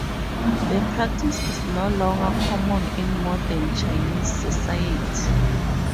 The practice is no longer common in modern Chinese society.